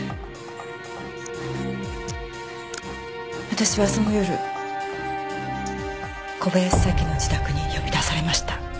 私はその夜小林早紀の自宅に呼び出されました。